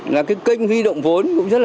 là cái kênh huy động vốn